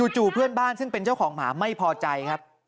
เพื่อนบ้านซึ่งเป็นเจ้าของหมาไม่พอใจครับ